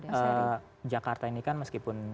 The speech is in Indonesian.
jadi jakarta ini kan meskipun